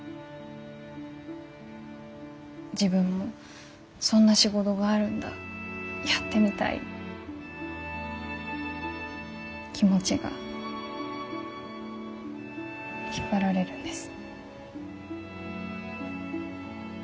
自分もそんな仕事があるんだやってみたいって気持ちが引っ張られるんです。